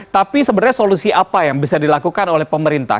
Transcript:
tapi sebenarnya solusi apa yang bisa dilakukan oleh pemerintah